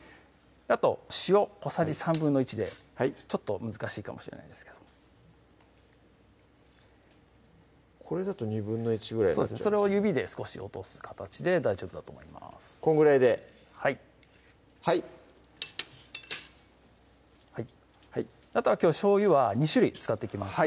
あと塩小さじ１／３でちょっと難しいかもしれないですけどこれだと１／２ぐらいにそれを指で少し落とす形で大丈夫だと思いますこんぐらいではいはいあとはきょうしょうゆは２種類使っていきます